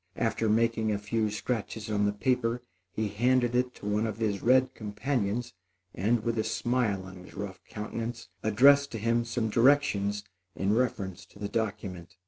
After making a few scratches on the paper, he handed it to one of his red companions, and, with a smile on his rough countenance, addressed to him some directions in reference to the document.